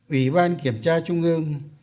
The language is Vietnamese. ủy ban kiểm tra trung ương